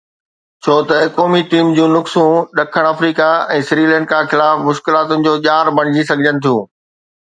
ڇو ته قومي ٽيم جون نقصون ڏکڻ آفريڪا ۽ سريلنڪا خلاف مشڪلاتن جو ڄار بڻجي سگهن ٿيون.